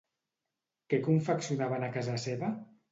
Què confeccionaven a casa seva?